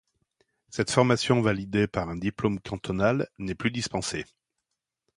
Cette formation validée par un diplôme cantonal n'est plus dispensée.